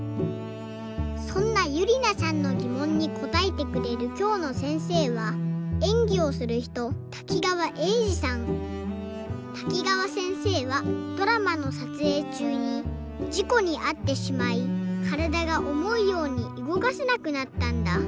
そんなゆりなさんのぎもんにこたえてくれるきょうのせんせいはえんぎをするひとたきがわせんせいはドラマのさつえいちゅうにじこにあってしまいからだがおもうようにうごかせなくなったんだ。